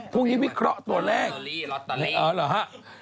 พรุ่งนี้วิเคราะห์ตัวแรกอ๋อเหรอครับลอตเตอรี่